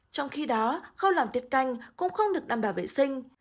trong khi đó không làm tiết canh cũng không được đảm bảo vệ sinh